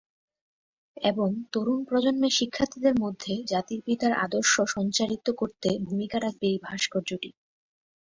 এবং তরুণ প্রজন্মের শিক্ষার্থীদের মধ্যে জাতির পিতার আদর্শ সঞ্চারিত করতে ভূমিকা রাখবে এই ভাস্কর্যটি।